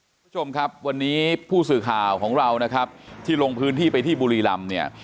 คุณผู้ชมครับวันนี้ผู้สื่อข่าวของเรานะครับที่ลงพื้นที่ไปที่บุรีรำเนี่ย